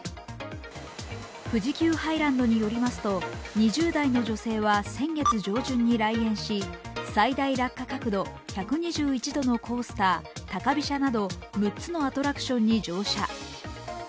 富士急ハイランドによりますと、２０代の女性は先月上旬に来園し、最大落下角度１２１度のコースター、高飛車など６つのアトラクションに乗車。